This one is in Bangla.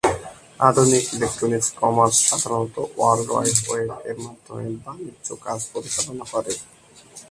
আধুনিক ইলেকট্রনিক কমার্স সাধারণত ওয়ার্ল্ড ওয়াইড ওয়েব এর মাধ্যমে বাণিজ্য কাজ পরিচালনা করে।